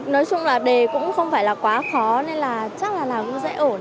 nói chung là đề cũng không phải là quá khó nên là chắc là là vui dễ ổn